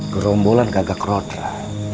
gerombolan gagak lodra